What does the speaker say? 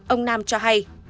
ông nam cho hay